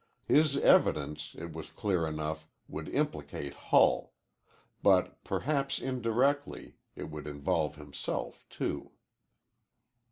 His evidence, it was clear enough, would implicate Hull; but, perhaps indirectly, it would involve himself, too.